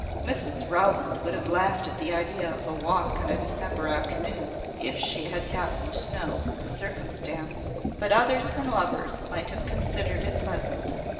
Mrs Rowland would have laughed at the idea of a walk on a December afternoon, if she had happened to know of the circumstance; but others than lovers might have considered it pleasant.